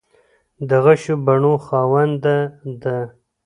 د غشو بڼو خاونده ده